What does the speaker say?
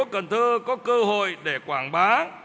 cần thơ có cơ hội để quảng bá